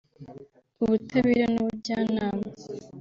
ubutabera n’ubujyanama